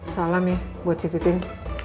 salam ya buat si titin